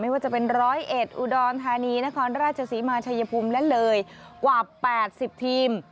ว่าจะเป็น๑๐๑อุดรธานีนครราชศรีมาชัยภูมิและเลยกว่า๘๐ทีม